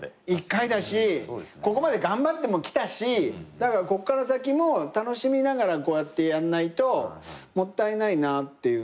１回だしここまで頑張ってもきたしこっから先も楽しみながらこうやってやんないともったいないなって。